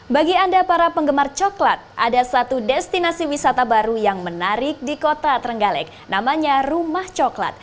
bagi anda para penggemar coklat ada satu destinasi wisata baru yang menarik di kota trenggalek namanya rumah coklat